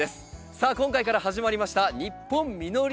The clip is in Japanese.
さあ今回から始まりました「ニッポン実りのわざ」。